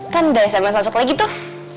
kan udah sms langsung lagi tuh